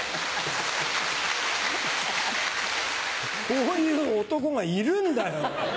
こういう男がいるんだよ！